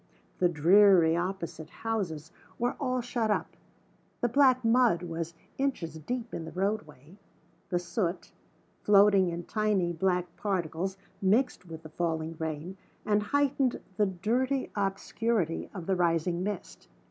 The dreary opposite houses were all shut up; the black mud was inches deep in the roadway; the soot, floating in tiny black particles, mixed with the falling rain, and heightened the dirty obscurity of the rising mist.